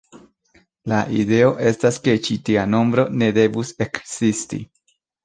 La ideo estas ke ĉi tia nombro ne devus ekzisti.